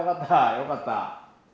よかった。